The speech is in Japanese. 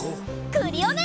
クリオネ！